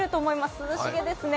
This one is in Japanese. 涼しげですね。